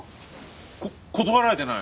こ断られてない。